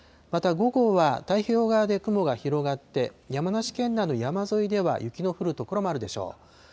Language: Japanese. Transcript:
また、午後は太平洋側で雲が広がって、山梨県内の山沿いでは雪の降る所もあるでしょう。